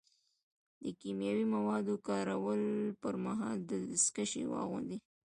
د کیمیاوي موادو کارولو پر مهال دستکشې واغوندئ.